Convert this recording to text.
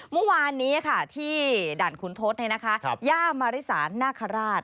เมื่อวานนี้ที่ด่านขุนทศย่ามาริสานนาคาราช